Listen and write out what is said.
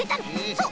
そう！